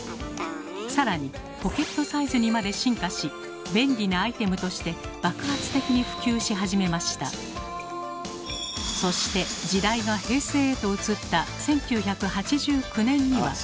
更にポケットサイズにまで進化し便利なアイテムとしてそして時代が平成へと移った１９８９年には。